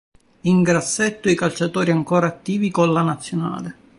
In grassetto i calciatori ancora attivi con la nazionale.